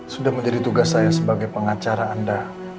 sudah menjadi tugas saya sebagai pengacara anda